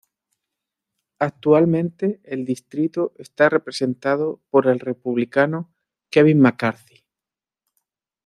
Actualmente el distrito está representado por el Republicano Kevin McCarthy.